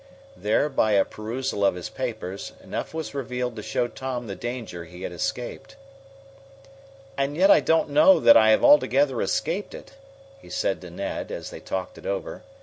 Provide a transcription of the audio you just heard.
There, by a perusal of his papers, enough was revealed to show Tom the danger he had escaped. "And yet I don't know that I have altogether escaped it," he said to Ned, as they talked it over.